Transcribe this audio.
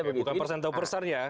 bukan persentau persarnya